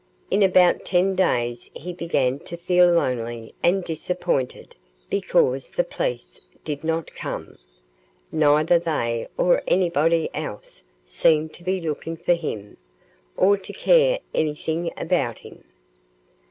In about ten days he began to feel lonely and disappointed because the police did not come; neither they or anybody else seemed to be looking for him, or to care anything about him.